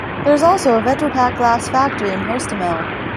There is also a Vetropack glass factory in Hostomel.